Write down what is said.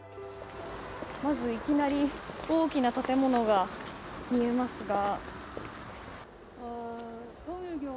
まずいきなり大きな建物が見えますが。